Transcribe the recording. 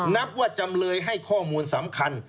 นับว่าจำเลยให้ข้อมูลสำคัญ